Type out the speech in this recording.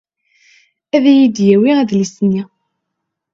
Ad yi-d-yawi adlis-nni.